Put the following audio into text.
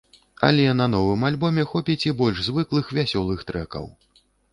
Але на новым альбоме хопіць і больш звыклых вясёлых трэкаў.